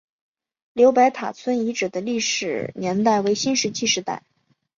刘白塔村遗址的历史年代为新石器时代。